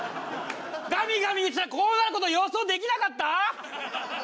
ガミガミ言ってたらこうなる事予想できなかった！？